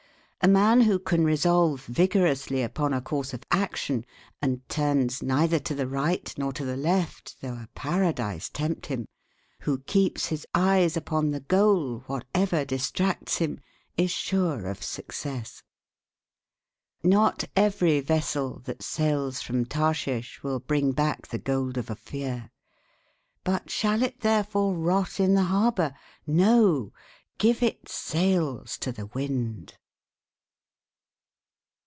A man who can resolve vigorously upon a course of action, and turns neither to the right nor to the left, though a paradise tempt him, who keeps his eyes upon the goal, whatever distracts him, is sure of success. "Not every vessel that sails from Tarshish will bring back the gold of Ophir. But shall it therefore rot in the harbor? No! Give its sails to the wind!"